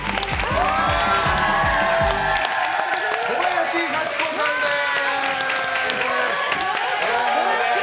小林幸子さんです！